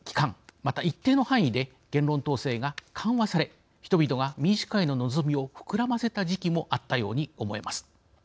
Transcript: また一定の範囲で言論統制が緩和され人々が民主化への望みを膨らませた時期もあったように思えます。